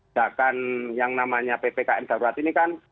sedangkan yang namanya ppkm darurat ini kan